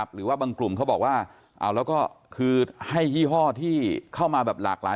หรือว่าบางกลุ่มเขาบอกว่าคือให้ยี่ห้อที่เข้ามาหลากหลาย